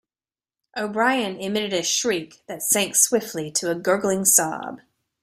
O'Brien emitted a shriek that sank swiftly to a gurgling sob.